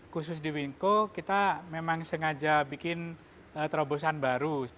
khusus di wingko kita memang sengaja bikin terobosan baru